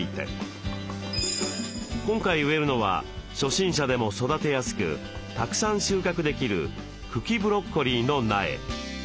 今回植えるのは初心者でも育てやすくたくさん収穫できる茎ブロッコリーの苗。